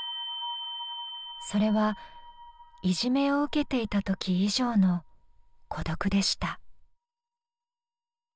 それはいじめを受けていた時以上の孤独でした。